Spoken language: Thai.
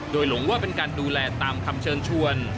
โดยหลงว่าเป็นการดูแลตามคำเชิญชวน